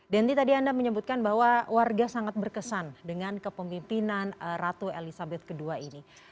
denti tadi anda menyebutkan bahwa warga sangat berkesan dengan kepemimpinan ratu elizabeth ii ini